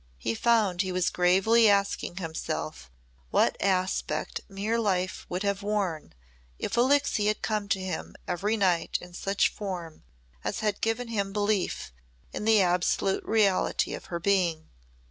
He found he was gravely asking himself what aspect mere life would have worn if Alixe had come to him every night in such form as had given him belief in the absolute reality of her being.